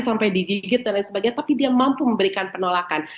sampai digigit dan lain sebagainya tapi dia mampu memberikan penolakan